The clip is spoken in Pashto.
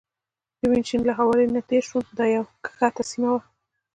د وینیشن له هوارې نه تېر شوم، دا یوه کښته سیمه وه.